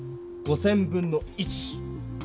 ５，０００分の１。